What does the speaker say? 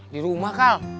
di rumah kal